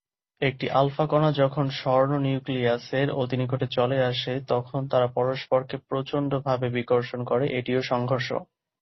একটি আলফা কণা যখন স্বর্ণ নিউক্লিয়াসের অতি নিকটে আসে, তখন তারা পরস্পরকে প্রচন্ড ভাবে বিকর্ষণ করে, এটিও সংঘর্ষ।